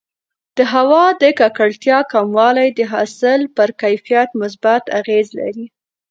د هوا د ککړتیا کموالی د حاصل پر کیفیت مثبت اغېز لري.